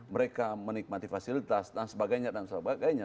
mereka menikmati fasilitas dan sebagainya dan sebagainya